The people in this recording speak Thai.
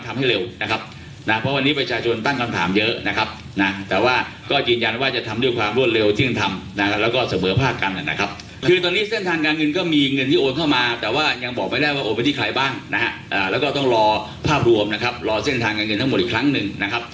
ไม่ได้ว่าโอนเป็นที่ใครบ้างแล้วก็ต้องรอภาพรวมรอเส้นทางการเงินทั้งหมดอีกครั้งหนึ่ง